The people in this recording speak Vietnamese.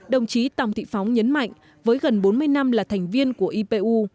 đồng chí tòng thị phóng nhấn mạnh với gần bốn mươi năm là thành viên của ipu